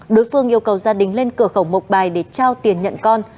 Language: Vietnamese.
đối phương yêu cầu gia đình lên cửa khẩu mộc bài để trao tiền nhận con